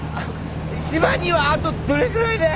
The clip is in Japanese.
島にはあとどれくらいで？